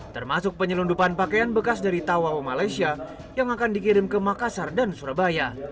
termasuk penyelundupan pakaian bekas dari tawau malaysia yang akan dikirim ke makassar dan surabaya